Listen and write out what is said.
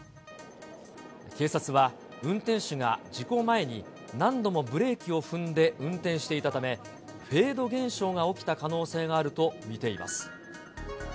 警察は、運転手が事故前に、何度もブレーキを踏んで運転していたため、フェード現象が起きた可能性があると見ています。